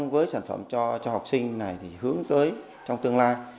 với sản phẩm cho học sinh này thì hướng tới trong tương lai